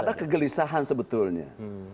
ada kegelisahan sebetulnya